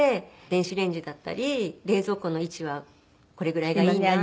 電子レンジだったり冷蔵庫の位置はこれぐらいがいいなとか。